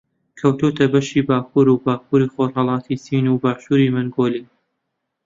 کەوتووەتە بەشی باکوور و باکووری خۆڕھەڵاتی چین و باشووری مەنگۆلیا